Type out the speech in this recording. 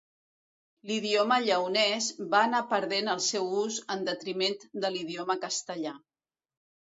L'idioma lleonès va anar perdent el seu ús en detriment de l'idioma castellà.